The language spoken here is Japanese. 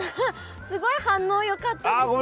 すごい反応よかったです。